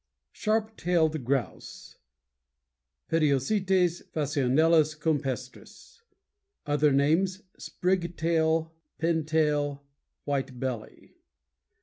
=SHARP TAILED GROUSE= Pediocoetes phasianellus campestris. Other names: Sprig Tail, Pin Tail, White Belly.